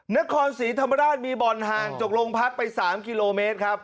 นครศรีธรรมราชมีบ่อนห่างจากโรงพักไป๓กิโลเมตรครับ